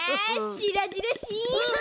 しらじらしい。